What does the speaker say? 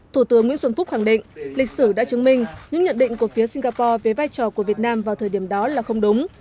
thủ tướng nguyễn xuân phúc khẳng định lịch sử đã chứng minh những nhận định của phía singapore về vai trò của việt nam vào thời điểm đó là không đúng